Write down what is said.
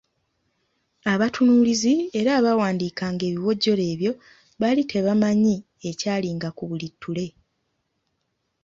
Abatunuulizi era abawandiikanga ebiwojjolo ebyo, baali tebamanyi ekyalinga ku buli ttule.